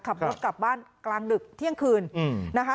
ขับรถกลับบ้านกลางดึกเที่ยงคืนนะคะ